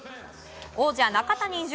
王者・中谷潤